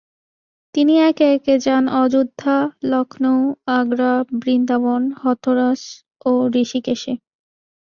তিনি একে একে যান অযোধ্যা, লখনউ, আগ্রা, বৃন্দাবন, হথরাস ও হৃষিকেশে।